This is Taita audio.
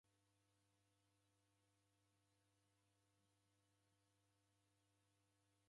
W'urighiti ghobarwa ghoko gali nandighi.